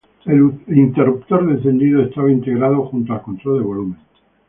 El interruptor de encendido estaba integrado junto al control de volumen.